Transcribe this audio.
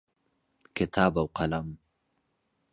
کتاب او قلم